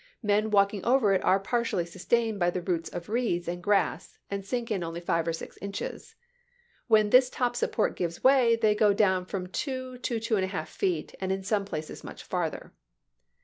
Men walking over it are partially sustained by the roots of reeds and grass, and sink in only five or six inches. When this top support gives way they go ^Report!' down from two to two and a half feet, and in some isesf w'^'r. Vol VI places much farther."